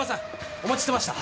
お待ちしてました。